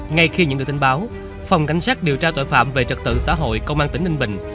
ngay khi nhận được tin báo phòng cảnh sát điều tra tội phạm về trật tự xã hội công an tỉnh ninh bình